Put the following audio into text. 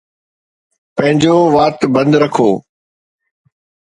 پنهنجو وات بند رکو